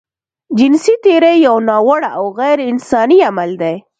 جنسي تېری يو ناوړه او غيرانساني عمل دی.